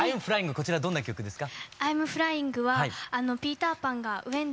こちらどんな曲ですか？